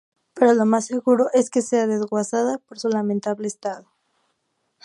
Pero lo más seguro es que sea desguazada por su lamentable estado.